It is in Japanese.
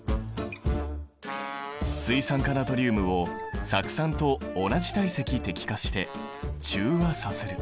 水酸化ナトリウムを酢酸と同じ体積滴下して中和させる。